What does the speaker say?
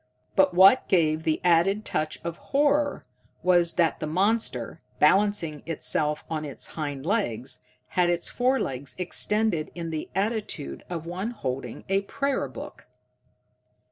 But what gave the added touch of horror was that the monster, balancing itself on its hind legs, had its forelegs extended in the attitude of one holding a prayer book!